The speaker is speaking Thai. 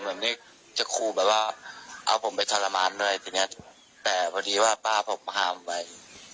แบบนี้จะคู่แบบว่าเอาผมไปทรมานด้วยแต่พอดีว่าป้าผมหาผมไป